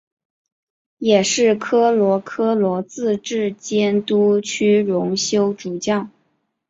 也是科罗科罗自治监督区荣休主教。